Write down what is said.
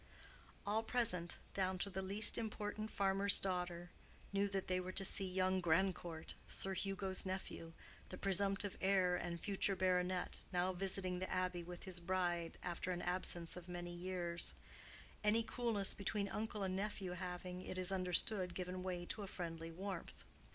All present, down to the least important farmer's daughter, knew that they were to see "young Grandcourt," Sir Hugo's nephew, the presumptive heir and future baronet, now visiting the Abbey with his bride after an absence of many years; any coolness between uncle and nephew having, it is understood, given way to a friendly warmth.